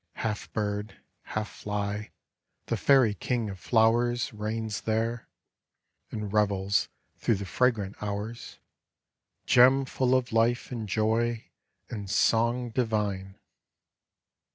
Half bird, half fly, the fairy king of flowers Reigns there, and revels through the fragrant hours; Gem full of life and joy and song divine!"